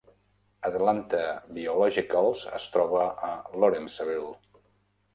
Atlanta Biologicals es troba a Lawrenceville.